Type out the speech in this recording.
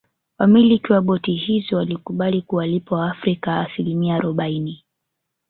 Wamiliki wa boti hizo walikubali kuwalipa waafrika asimilia arobaini